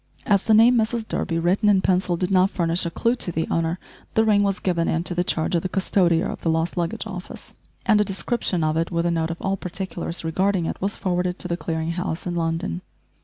As the name "Mrs Durby" written in pencil did not furnish a clue to the owner, the ring was given into the charge of the custodier of the lost luggage office, and a description of it with a note of all particulars regarding it, was forwarded to the Clearing House in London.